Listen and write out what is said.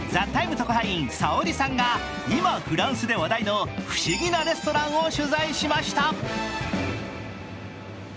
特派員、さおりさんが今フランスで話題の不思議なレストランを取材しました。